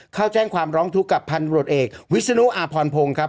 เข้าแจ้งความร้องทุกข์กับพันธุรกิจเอกวิศนุอาพรพงศ์ครับ